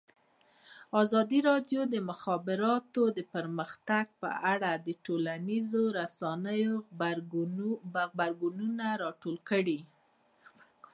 ازادي راډیو د د مخابراتو پرمختګ په اړه د ټولنیزو رسنیو غبرګونونه راټول کړي.